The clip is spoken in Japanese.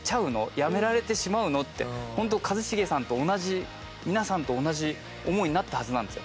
やめられてしまうの？ってホント一茂さんと同じ皆さんと同じ思いになったはずなんですよ。